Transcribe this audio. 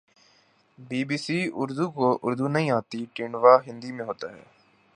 be B C Urdu کو اردو نہیں آتی تیندوا ہندی میں ہوتاہے